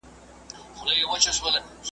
زوم ته چا د واده اساسي اهداف نه وو ښودلي.